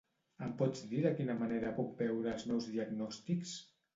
Em pots dir de quina manera puc veure els meus diagnòstics?